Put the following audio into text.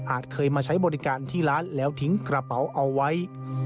เคยมาใช้บริการที่ร้านแล้วทิ้งกระเป๋าเอาไว้